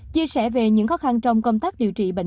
chia sẻ về những khó khăn trong công tác điều trị bệnh